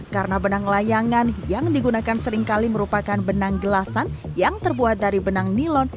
karena benang layangan yang digunakan seringkali merupakan benang gelasan yang terbuat dari benang nilon